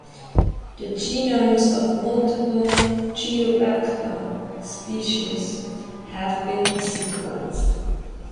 The genomes of multiple "Geobacter" species have been sequenced.